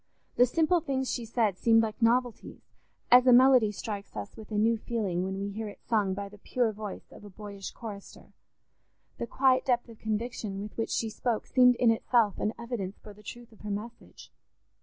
The simple things she said seemed like novelties, as a melody strikes us with a new feeling when we hear it sung by the pure voice of a boyish chorister; the quiet depth of conviction with which she spoke seemed in itself an evidence for the truth of her message.